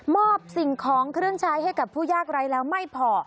อบสิ่งของเครื่องใช้ให้กับผู้ยากไร้แล้วไม่พอ